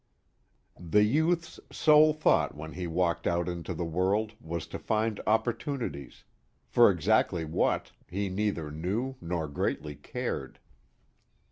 The youth's sole thought when he walked out into the world was to find opportunities for exactly what, he neither knew nor greatly cared.